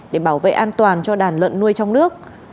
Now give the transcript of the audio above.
để bảo vệ an toàn cho đàn lợn nuôi trong nước